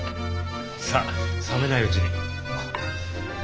さあ冷めないうちに。